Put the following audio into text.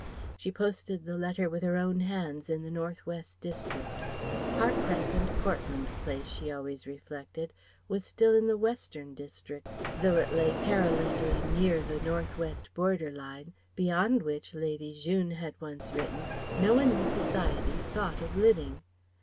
She posted the letter with her own hands in the North West district. Park Crescent, Portland Place, she always reflected, was still in the Western district, though it lay perilously near the North West border line, beyond which Lady Jeune had once written, no one in Society thought of living.